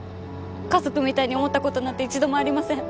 家族みたいに思った事なんて一度もありません。